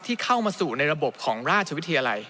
ที่เข้ามาสู่ในระบบของราชวิธีอะไร